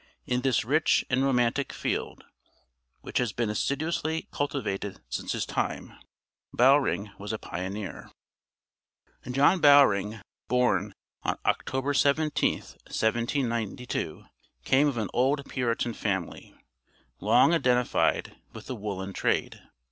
In this rich and romantic field, which has been assiduously cultivated since his time, Bowring was a pioneer. John Bowring, born on October 17th, 1792, came of an old Puritan family, long identified with the woolen trade.